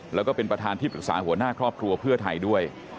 แล้วก็เป็นประธานที่ปรึกษาหัวหน้าครอบครัวเพื่อไทยด้วย